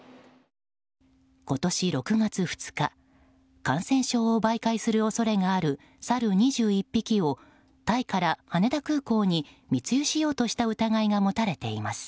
今年６月２日感染症を媒介する恐れがあるサル２１匹をタイから羽田空港に密輸しようとした疑いが持たれています。